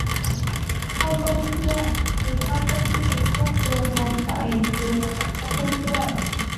ข้าวต้มเครื่อง คือข้าวต้มที่มีเครื่องปรุงลงไปปรุงกับข้าวต้มด้วย